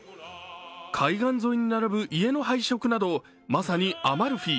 海岸沿いに並ぶ家の配色などまさにアマルフィ。